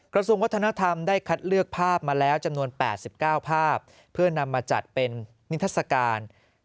กระทรวงวัฒนธรรมได้คัดเลือกภาพมาแล้วจำนวน๘๙ภาพเพื่อนำมาจัดเป็นนิทัศกาล